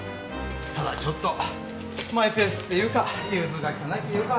ただちょっとマイペースっていうか融通が利かないっていうか。